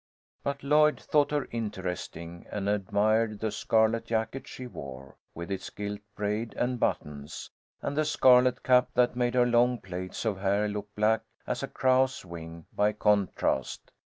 But Lloyd thought her interesting, and admired the scarlet jacket she wore, with its gilt braid and buttons, and the scarlet cap that made her long plaits of hair look black as a crow's wing by contrast.